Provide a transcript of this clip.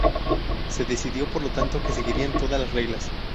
Se decidió por lo tanto que seguirían todas las reglas.